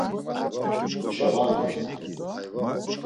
Huşa var mitzvi.